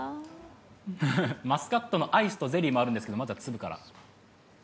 マスカットのアイスとゼリーもあるんですがまずは粒から。